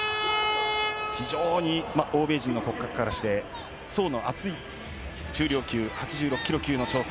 非常に欧米人の骨格からして、層の厚い中量級８６ｋｇ級の挑戦。